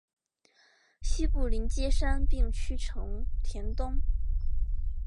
西部邻接杉并区成田东。